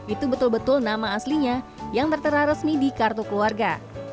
itu betul betul nama aslinya yang tertera resmi di kartu keluarga